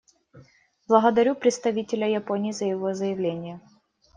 Благодарю представителя Японии за его заявление.